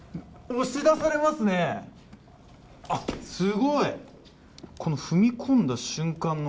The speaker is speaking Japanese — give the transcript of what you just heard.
押し出されますねすごいこの踏み込んだ瞬間の